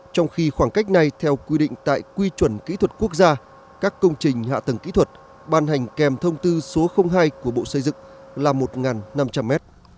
trong khi khoảng cách này theo quy định tại quy chuẩn kỹ thuật quốc gia các công trình hạ tầng kỹ thuật ban hành kèm thông tư số hai của bộ xây dựng là một năm trăm linh m